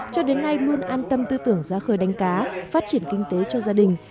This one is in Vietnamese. cho đến nay luôn an tâm tư tưởng ra khơi đánh cá phát triển kinh tế cho gia đình